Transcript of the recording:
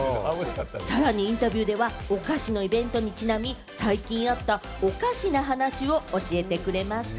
さらにインタビューではお菓子のイベントにちなみ、最近あった、おかしな話を教えてくれました。